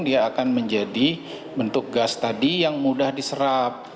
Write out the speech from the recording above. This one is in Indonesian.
dia akan menjadi bentuk gas tadi yang mudah diserap